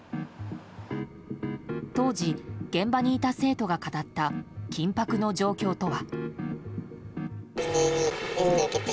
当時、現場にいた生徒が語った緊迫の状況とは。